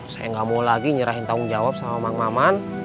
saya nggak mau lagi nyerahin tanggung jawab sama bang maman